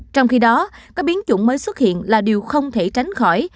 trong khi đó các biến chủng mới xuất hiện là điều không thể tránh khỏi